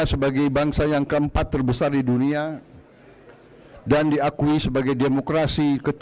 saya ingin memperkebubkan stadion indonesia